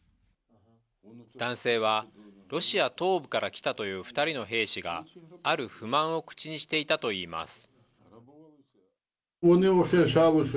男性はロシア東部から来たという２人の兵士がある不満を口にしていたといいます。